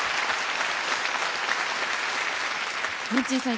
文珍さん